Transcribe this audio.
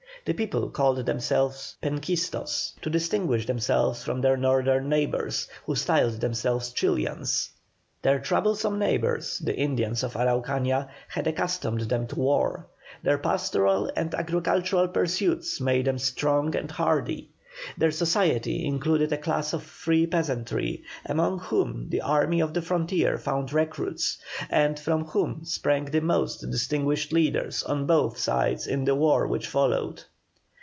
The people called themselves "Penquistos," to distinguish themselves from their northern neighbours, who styled themselves "Chilians." Their troublesome neighbours, the Indians of Araucania, had accustomed them to war; their pastoral and agricultural pursuits made them strong and hardy. Their society included a class of free peasantry, among whom the army of the frontier found recruits, and from whom sprang the most distinguished leaders on both sides in the war which followed.